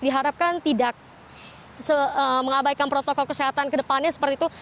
diharapkan tidak mengabaikan protokol kesehatan ke depannya seperti itu